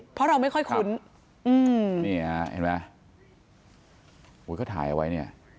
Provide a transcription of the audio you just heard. เพราะเราไม่ค่อยคุ้น